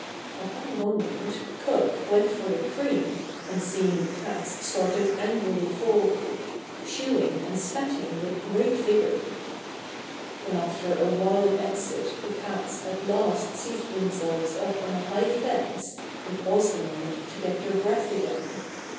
At that moment Cook went for the cream and seeing the cats started angrily forward, shoo ing and scat ing with great vigour. When after a wild exit the cats at last seated themselves up on a high fence they paused a moment to get their breath again.